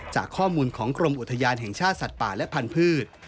จากข้อมูลของกรมอุทยานแห่งชาติสัตว์ป่าและพันธุ์